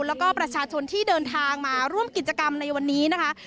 แล้วก็ประชาชนที่เดินทางมาร่วมกิจกรรมในวันนี้นะคะ